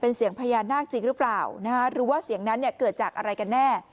เป็นเสียงพยานนอกจริงหรือเปล่า